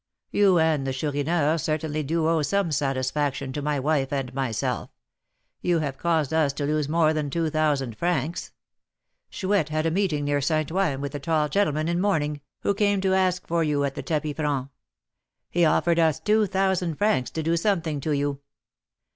You and the Chourineur certainly do owe some satisfaction to my wife and myself, you have caused us to lose more than two thousand francs. Chouette had a meeting near St. Ouen with the tall gentleman in mourning, who came to ask for you at the tapis franc. He offered us two thousand francs to do something to you.